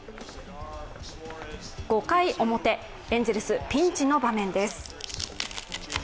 ５回表、エンゼルスピンチの場面です。